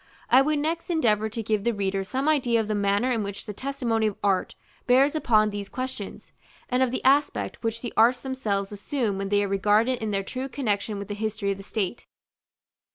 I would next endeavor to give the reader some idea of the manner in which the testimony of Art bears upon these questions, and of the aspect which the arts themselves assume when they are regarded in their true connexion with the history of the state.